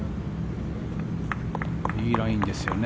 いいラインですよね。